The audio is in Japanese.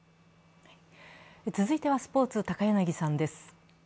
続いてはスポーツ、高柳さんです